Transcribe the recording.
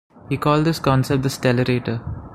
He called this concept the stellarator.